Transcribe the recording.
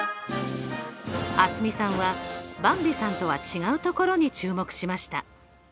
蒼澄さんはばんびさんとは違うところに注目しました。